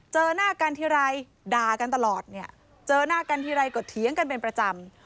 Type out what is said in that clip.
เจอหน้ากันทีไรด่ากันตลอดเนี่ยเจอหน้ากันทีไรก็เถียงกันเป็นประจำ